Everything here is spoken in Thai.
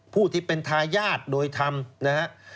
ผู้ที่เป็นทายาทโดยธรรมนะครับ